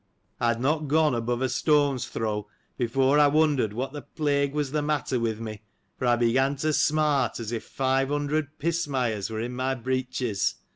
I had not gone above a stone's throw, before I wondered what the plague was the matter with me, for I began to smart as if five hundred pismires were in my breeches.